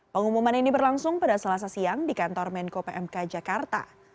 pengumuman ini berlangsung pada selasa siang di kantor menko pmk jakarta